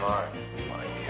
うまいよ